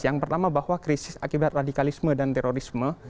yang pertama bahwa krisis akibat radikalisme dan terorisme